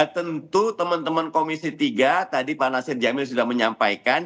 tentu teman teman komisi tiga tadi pak nasir jamil sudah menyampaikan